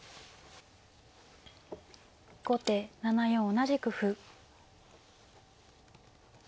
後手７四同じく歩。